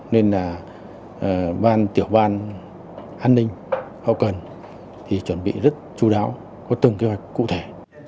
nên là tiểu ban an ninh họ cần chuẩn bị rất chú đáo có từng kế hoạch cụ thể